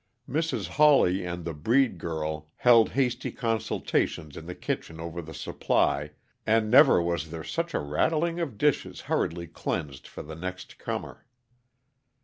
Mrs. Hawley and the "breed" girl held hasty consultations in the kitchen over the supply, and never was there such a rattling of dishes hurriedly cleansed for the next comer.